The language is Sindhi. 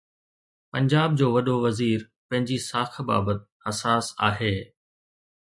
پنجاب جو وڏو وزير پنهنجي ساک بابت حساس آهي.